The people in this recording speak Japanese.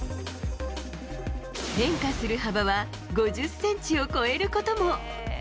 変化する幅は５０センチを超えることも。